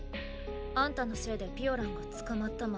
あんたのせいでピオランが捕まったままだ。